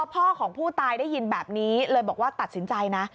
พ่อของผู้ตายได้ยินแบบนี้เลยบอกว่าตัดสินใจนะ